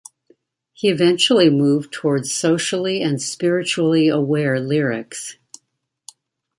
He eventually moved towards socially and spiritually aware lyrics.